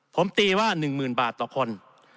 ผมตีว่า๑๐๐๐บาทต่อคน